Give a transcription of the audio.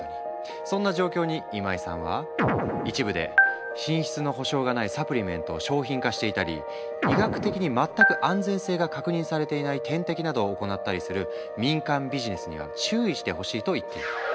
そんな状況に今井さんは一部で品質の保証がないサプリメントを商品化していたり医学的に全く安全性が確認されていない点滴などを行ったりする民間ビジネスには注意してほしいと言っている。